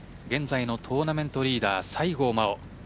現在のトーナメントリーダー西郷真央。